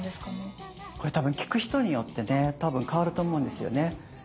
これ多分聞く人によってね多分変わると思うんですよね。